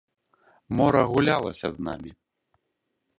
Мора гулялася з намі.